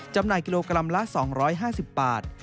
จำหน่ายกิโลกรัมละ๒๕๐บาท